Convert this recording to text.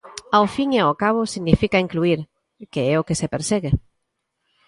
Ao fin e ao cabo significa incluír, que é o que se persegue.